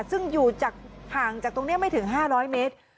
ซึ่งอยู่ห่างจากตรงนี้ไม่ถึง๕๐๐เมตร